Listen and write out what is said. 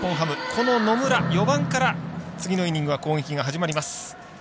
この野村、４番から次のイニングは攻撃が始まります。